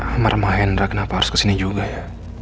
amar mahendra kenapa harus ke sini juga ya